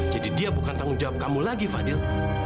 jadi dia bukan tanggung jawab kamu lagi fadil